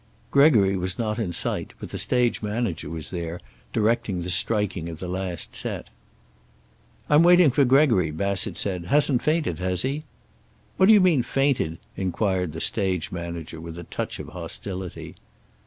Gregory was not in sight, but the stage manager was there, directing the striking of the last set. "I'm waiting for Gregory," Bassett said. "Hasn't fainted, has he?" "What d'you mean, fainted?" inquired the stage manager, with a touch of hostility.